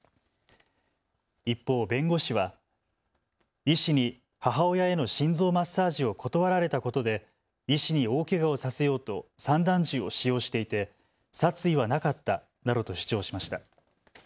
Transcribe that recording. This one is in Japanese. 一方、弁護士は医師に母親への心臓マッサージを断られたことで医師に大けがをさせようと散弾銃を使用していて殺意はなかったなどと主張しました。